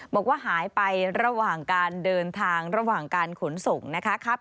บอกว่าหายไประหว่างการเดินทางระหว่างการขนส่งนะคะ